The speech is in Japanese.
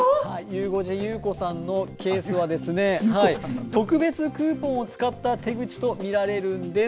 ゆう５時ゆうこさんのケースはですね特別クーポンを使った手口と見られるんです。